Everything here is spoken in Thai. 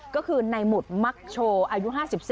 ก็คือในหมุดมักโชว์อายุ๕๓